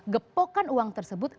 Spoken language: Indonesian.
gepokan uang tersebut